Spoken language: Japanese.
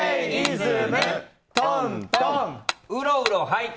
はい。